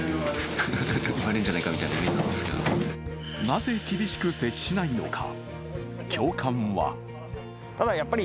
なぜ厳しく接しないのか。